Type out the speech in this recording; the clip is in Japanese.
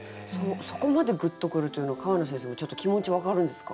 そこまでグッと来るというのは川野先生もちょっと気持ち分かるんですか？